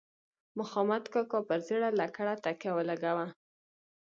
مخامد کاکا پر زیړه لکړه تکیه ولګوه.